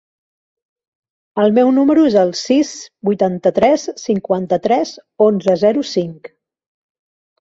El meu número es el sis, vuitanta-tres, cinquanta-tres, onze, zero, cinc.